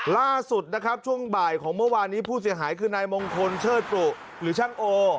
ล่าสุดนะครับช่วงบ่ายของเมื่อวานนี้ผู้เสียหายคือนายมงคลเชิดปรุหรือช่างโอ